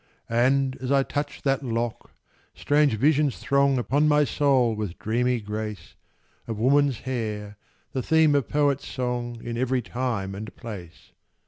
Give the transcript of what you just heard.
And, as I touch that lock, strange visions throng Upon my soul with dreamy grace Of woman's hair, the theme of poet's song In every time and place.